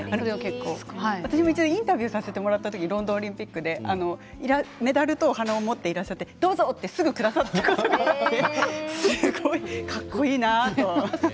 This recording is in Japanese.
私、インタビューさせていただいた時ロンドンオリンピックでメダルとお花を持っていらっしゃってどうぞとすぐくださってすごいかっこいいなと。